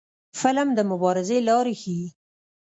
فلم د مبارزې لارې ښيي